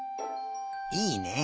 いいね。